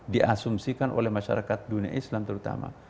diasumsikan oleh masyarakat dunia islam terutama